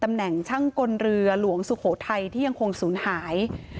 แหน่งช่างกลเรือหลวงสุโขทัยที่ยังคงศูนย์หาย